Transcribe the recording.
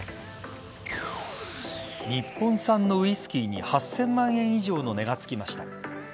日本産のウイスキーに８０００万円以上の値がつきました。